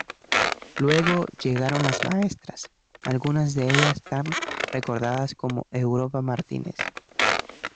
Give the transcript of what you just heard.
Luego llegaron las maestras, algunas de ellas tan recordadas como Europa Martínez.